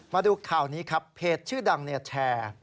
มาดูข่าวนี้ครับเพจชื่อดังแชร์